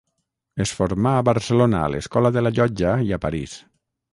Es formà a Barcelona a l'Escola de la Llotja i a París.